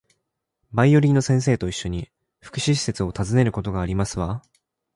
バイオリンの先生と一緒に、福祉施設を訪ねることがありますわ